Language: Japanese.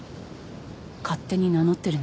勝手に名乗ってるのよ